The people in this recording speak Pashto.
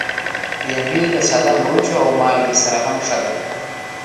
بېنډۍ له ساده مرچ او مالګه سره هم ښه ده